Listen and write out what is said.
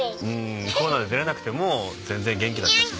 コロナで出られなくても全然元気だったしみんな。